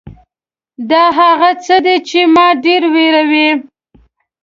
دا هغه څه دي چې ما ډېر وېروي .